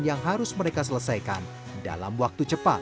yang harus mereka selesaikan dalam waktu cepat